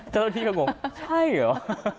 เจ้ารถที่เขาบอกใช่เหรอ